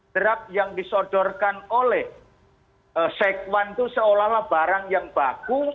draft yang disodorkan oleh sekwan itu seolah olah barang yang baku